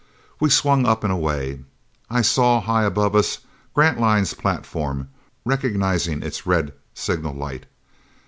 We swung up and away. I saw, high above us, Grantline's platform, recognizing its red signal light.